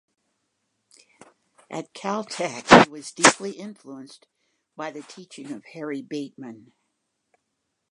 At Caltech he was deeply influenced by the teaching of Harry Bateman.